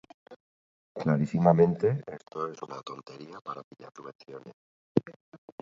Zientzialari hau zoologia modernoaren aitatzat jo dute aditu askok.